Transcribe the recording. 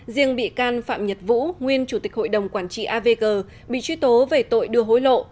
riêng bị can phạm nhật vũ nguyên chủ tịch hội đồng quản trị avg bị truy tố về tội đưa hối lộ